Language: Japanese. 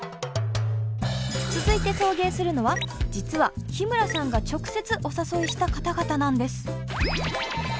続いて送迎するのは実は日村さんが直接お誘いした方々なんです。